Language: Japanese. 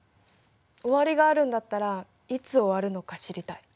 終わりがあるんだったらいつ終わるのか知りたい。